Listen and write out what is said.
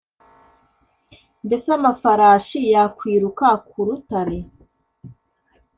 Mbese amafarashi yakwiruka ku rutare?